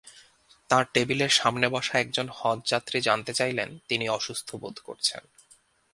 তাঁর টেবিলের সামনে বসা একজন হজযাত্রী জানতে চাইলেন, তিনি অসুস্থ বোধ করছেন।